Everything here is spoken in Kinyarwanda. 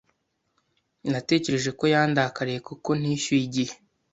Natekereje ko yandakariye kuko ntishyuye igihe.